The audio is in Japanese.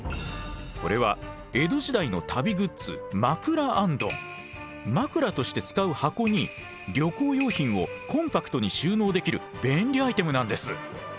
これは江戸時代の旅グッズ枕として使う箱に旅行用品をコンパクトに収納できる便利アイテムなんです。